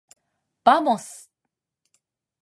ばもす。